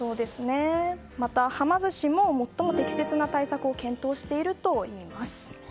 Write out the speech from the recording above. また、はま寿司も最も適切な対策を検討しているといいます。